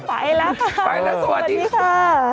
ไปแล้วค่ะสวัสดีค่ะไปแล้วสวัสดีค่ะ